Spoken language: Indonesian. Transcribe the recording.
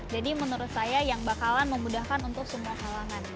jadi menurut saya yang bakalan memudahkan untuk semua halangan